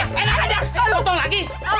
enak aja potong lagi